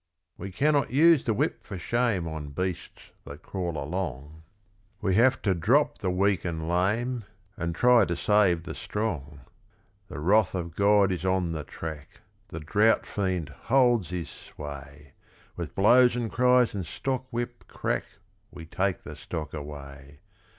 We cannot use the whip for shame On beasts that crawl along; We have to drop the weak and lame, And try to save the strong; The wrath of God is on the track, The drought fiend holds his sway, With blows and cries and stockwhip crack We take the stock away.